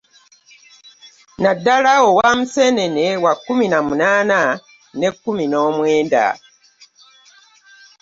Naddala obwa Museenene wa kiumi na munaana ne kkumi na mwenda